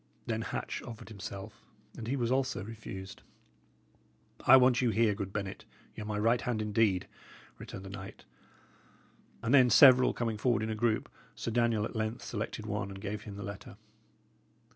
Then Hatch offered himself, and he also was refused. "I want you here, good Bennet; y' are my right hand, indeed," returned the knight; and then several coming forward in a group, Sir Daniel at length selected one and gave him the letter.